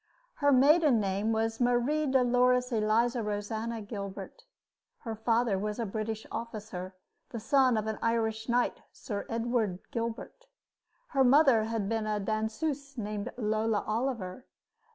Her maiden name was Marie Dolores Eliza Rosanna Gilbert. Her father was a British officer, the son of an Irish knight, Sir Edward Gilbert. Her mother had been a danseuse named Lola Oliver.